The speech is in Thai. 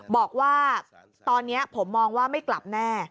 บอกว่าตอนนี้ผมมองว่าไม่กลับแน่